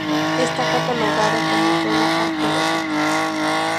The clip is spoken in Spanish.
Está catalogado como zona arqueológica.